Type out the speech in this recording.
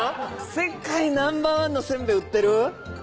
世界ナンバーワンの煎餅売ってる？